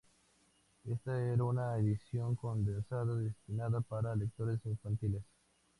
Esta era una edición condensada destinada para lectores infantiles.